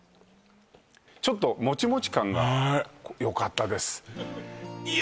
ちょっともちもち感がよかったですいや